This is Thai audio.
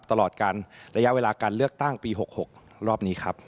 ตลอดการระยะเวลาการเลือกตั้งปี๖๖รอบนี้ครับ